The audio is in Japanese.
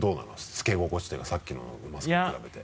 つけ心地というかさっきのマスクと比べて。